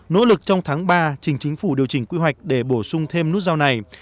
nỗ lực trong tháng ba trình chính phủ điều chỉnh quy hoạch để bổ sung thêm nút giao này